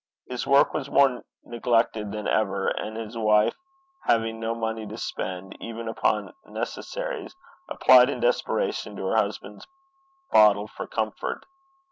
His work was more neglected than ever, and his wife having no money to spend even upon necessaries, applied in desperation to her husband's bottle for comfort.